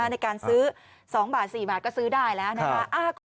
ในการซื้อ๒บาท๔บาทก็ซื้อได้แล้วนะคะ